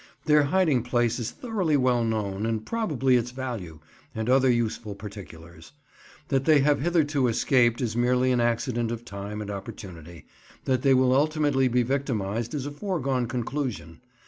Their hiding place is thoroughly well known, and probably its value, and other useful particulars. That they have hitherto escaped is merely an accident of time and opportunity; that they will ultimately be victimized is a foregone conclusion.